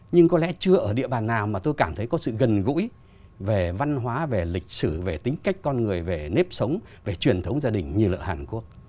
nhưng có lẽ chưa ở địa bàn nào mà tôi cảm thấy có sự gần gũi về văn hóa về lịch sử về tính cách con người về nếp sống về truyền thống gia đình như là hàn quốc